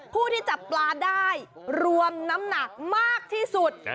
ผู้ที่จับปลาได้รวมน้ำหนักมากที่สุด